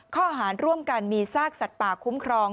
ข้อหารร่วมกันมีซากสัตว์ป่าคุ้มครอง